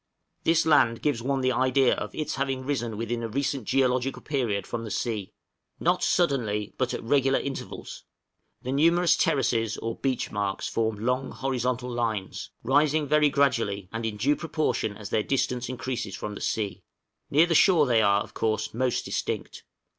This land gives one the idea of its having risen within a recent geological period from the sea not suddenly, but at regular intervals; the numerous terraces or beach marks form long horizontal lines, rising very gradually, and in due proportion as their distance increases from the sea; near the shore they are, of course, most distinct.